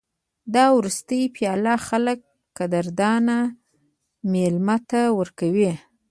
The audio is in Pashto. دا وروستۍ پیاله خلک قدردان مېلمه ته ورکوي.